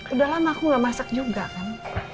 udah lama aku gak masak juga kan